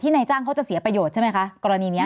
นายจ้างเขาจะเสียประโยชน์ใช่ไหมคะกรณีนี้